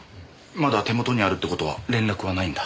まだ手元にあるって事は連絡はないんだ？